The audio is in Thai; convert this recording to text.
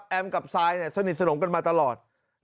กับซายสนิทสนมกันมาตลอด